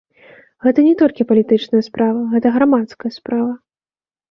Гэта не толькі палітычная справа, гэта грамадская справа.